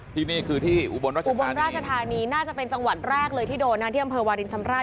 ที่นี่คือที่อุบลราชอุบลราชธานีน่าจะเป็นจังหวัดแรกเลยที่โดนนะที่อำเภอวาลินชำราบ